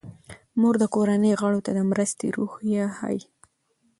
مور د کورنۍ غړو ته د مرستې روحیه ښيي.